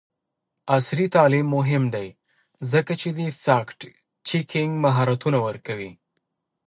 عصري تعلیم مهم دی ځکه چې د فکټ چیکینګ مهارتونه ورکوي.